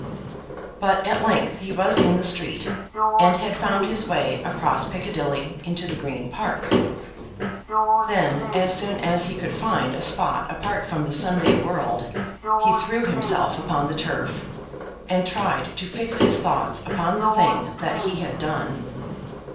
But at length he was in the street, and had found his way across Piccadilly into the Green Park. Then, as soon as he could find a spot apart from the Sunday world, he threw himself upon the turf; and tried to fix his thoughts upon the thing that he had done.